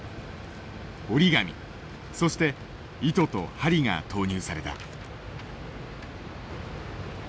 折り紙そして糸と針が投入された。